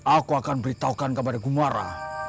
aku akan beritahukan kepada gumuara